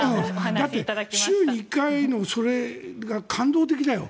だって週１回のそれが感動的だよ。